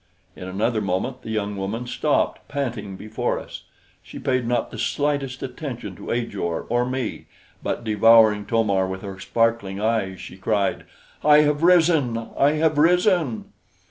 In another moment the young woman stopped, panting, before us. She paid not the slightest attention to Ajor or me; but devouring To mar with her sparkling eyes, she cried: "I have risen! I have risen!"